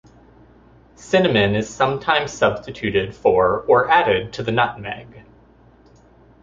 Cinnamon is sometimes substituted for or added to the nutmeg.